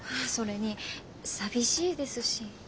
それに寂しいですし。